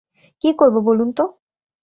কী করব বলুন তো।